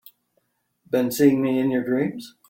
Been seeing me in your dreams?